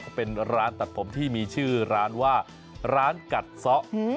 เขาเป็นร้านตัดผมที่มีชื่อร้านว่าร้านกัดซะ